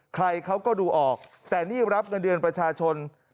ใครเขาก็ดูออกแต่นี่รับเงินเดือนประชาชน